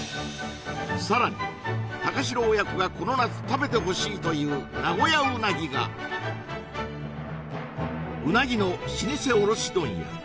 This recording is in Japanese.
さらに高城親子がこの夏食べてほしいという名古屋うなぎがうなぎの老舗卸問屋